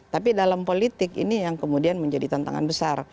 tapi dalam politik ini yang kemudian menjadi tantangan besar